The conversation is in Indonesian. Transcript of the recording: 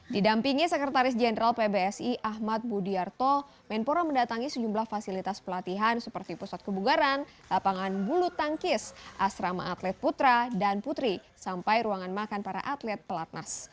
didampingi sekretaris jenderal pbsi ahmad budiarto menpora mendatangi sejumlah fasilitas pelatihan seperti pusat kebugaran lapangan bulu tangkis asrama atlet putra dan putri sampai ruangan makan para atlet pelatnas